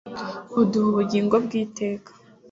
iduha ubugingo bw'iteka